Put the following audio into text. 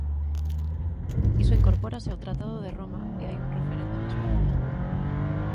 Iso incorpórase ao Tratado de Roma e hai un referendo en España.